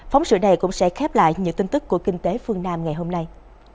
phóng sự này cũng sẽ khép lại những tin tức của kinh tế phương nam ngày hôm nay